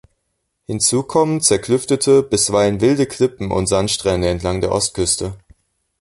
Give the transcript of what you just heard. Hinzu kommen zerklüftete, bisweilen wilde Klippen und Sandstrände entlang der Ostküste.